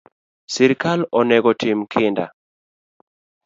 Sirkal onego otim kinda